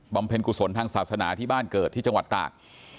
เพ็ญกุศลทางศาสนาที่บ้านเกิดที่จังหวัดตาก